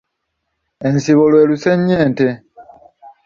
Ensibo lwe lusennyente.